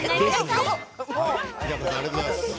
ありがとうございます。